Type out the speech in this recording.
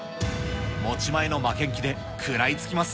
持ち前の負けん気で食らいつきます。